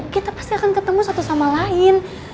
kita pasti akan ketemu satu sama lain